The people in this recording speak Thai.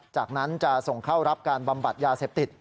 จากนั้นจะส่งเข้ารับการบำบัดยาเสพติด